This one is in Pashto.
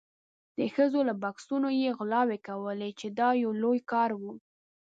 د ښځو له بکسونو یې غلاوې کولې چې دا یې لوی کار و.